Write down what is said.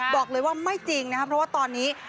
บอกเลยว่าไม่จริงนะครับเพราะว่าตอนนี้